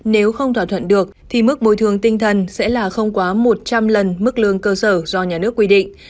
nếu không thỏa thuận được thì mức bồi thường tinh thần sẽ là không quá một trăm linh lần mức lương cơ sở do nhà nước quy định